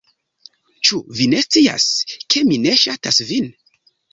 Ĉu vi ne scias, ke mi ne ŝatas vin?